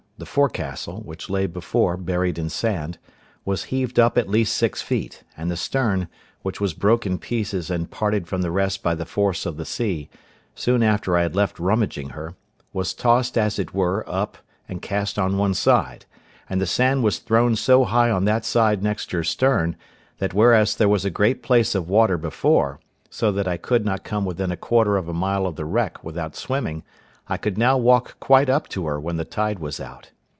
The forecastle, which lay before buried in sand, was heaved up at least six feet, and the stern, which was broke in pieces and parted from the rest by the force of the sea, soon after I had left rummaging her, was tossed as it were up, and cast on one side; and the sand was thrown so high on that side next her stern, that whereas there was a great place of water before, so that I could not come within a quarter of a mile of the wreck without swimming I could now walk quite up to her when the tide was out.